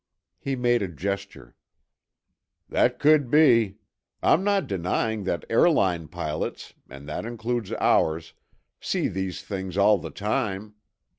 He made a gesture. "That could be. I'm not denying that airline pilots—and that includes ours—see these things all the time.